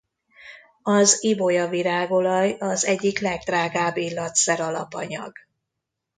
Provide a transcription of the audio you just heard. Az ibolyavirág-olaj az egyik legdrágább illatszer alapanyag.